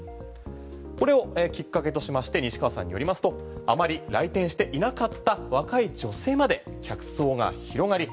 これをきっかけとしまして西川さんによりますとあまり来店していなかった若い女性まで客層が広がり